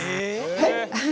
はい！？